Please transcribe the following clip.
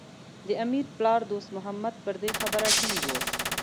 د امیر پلار دوست محمد پر دې خبره ټینګ و.